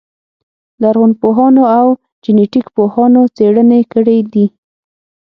لرغونپوهانو او جنټیک پوهانو څېړنې کړې دي.